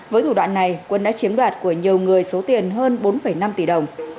với thủ đoạn này quân đã chiếm đoạt của nhiều người số tiền hơn bốn năm tỷ đồng